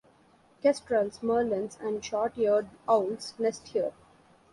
Kestrels, merlins and short-eared owls nest here.